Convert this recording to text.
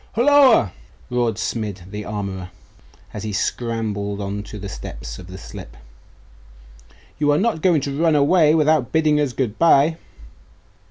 'Holloa!' roared Smid the armourer, as he scrambled on to the steps of the slip; 'you are not going to run away without bidding us good bye?